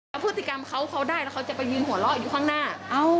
เอาพฤติกรรมเขาเขาได้แล้วเขาจะไปยืนหัวเราะอยู่ข้างหน้า